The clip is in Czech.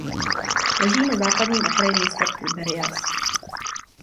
Leží na západním okraji města Tiberias.